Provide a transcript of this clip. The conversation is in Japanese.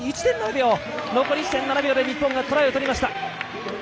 残り１．７秒で日本がトライを取りました。